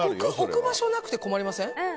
置く場所なくて困りません？